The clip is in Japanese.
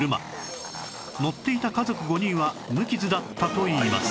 乗っていた家族５人は無傷だったといいます